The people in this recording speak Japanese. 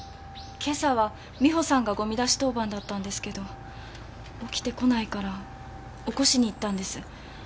今朝は美帆さんがゴミ出し当番だったんですけど起きてこないから起こしに行ったんです。